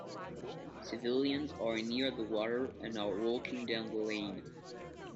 Civilians are near the water and are walking down the lane